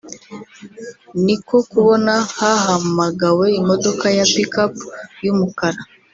niko kubona hahamagawe imodoka ya Pick up y’umukara